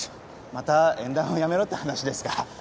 また縁談をやめろって話ですか。